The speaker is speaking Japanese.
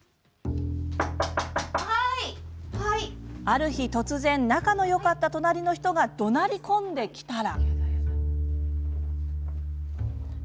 ある日突然、仲のよかった隣の人がどなり込んできたら。